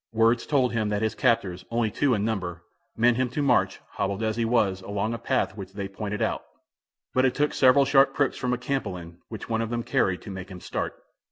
Words told him that his captors, only two in number, meant him to march, hobbled as he was, along a path which they pointed out; but it took several sharp pricks from a "campilan" which one of them carried, to make him start.